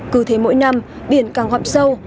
cứ thế mỗi năm biển càng gọm sâu